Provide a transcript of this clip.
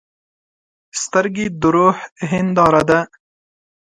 سترګې د روح هنداره ده.